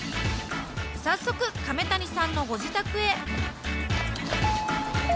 早速亀谷さんのご自宅へ。